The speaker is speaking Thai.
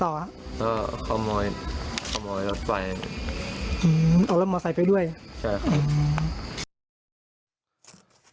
เอ่อขโมยขโมยรถไฟอืมเอารถมอสไฟไปด้วยใช่ครับ